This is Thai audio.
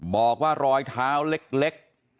บอกว่ารอยเท้าเล็ก